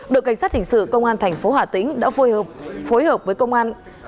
đội cảnh sát hình sự công an tp hỏa tĩnh đã phối hợp với công an